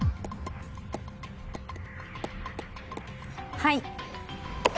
はい！